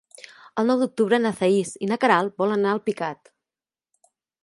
El nou d'octubre na Thaís i na Queralt volen anar a Alpicat.